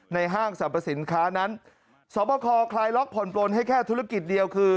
ห้างสรรพสินค้านั้นสอบคอคลายล็อกผ่อนปลนให้แค่ธุรกิจเดียวคือ